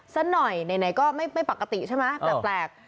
แสดนหน่อยในใดก็ไม่ปกติใช่มั้ยแปลก